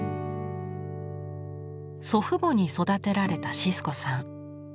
祖父母に育てられたシスコさん。